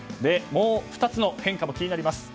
もう２つの変化も気になります。